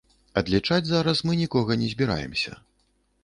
Адлічаць зараз мы нікога не збіраемся.